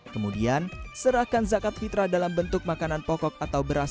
kemudian serahkan zakat fitrah dalam bentuk makanan pokok atau beras